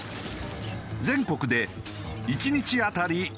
全国で１日当たり